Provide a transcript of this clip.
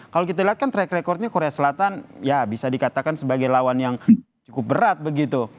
kalau kita lihat kan track recordnya korea selatan ya bisa dikatakan sebagai lawan yang cukup berat begitu